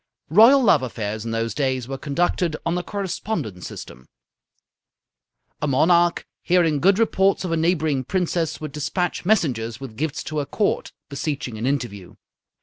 Royal love affairs in those days were conducted on the correspondence system. A monarch, hearing good reports of a neighbouring princess, would despatch messengers with gifts to her Court, beseeching an interview.